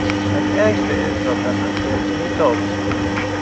Het ergste is dat het nog steeds niet loopt.